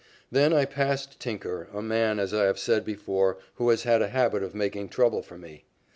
Then I passed Tinker, a man, as I have said before, who has had a habit of making trouble for me.